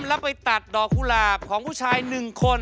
แล้วไปตัดดอกกุหลาบของผู้ชาย๑คน